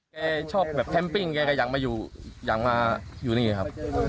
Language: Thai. แกชอบแบบแคมปิ้งแกก็อยากมาอยู่อยากมาอยู่นี่ครับ